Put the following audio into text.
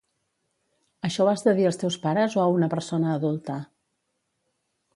Això ho has de dir als teus pares o a una persona adulta.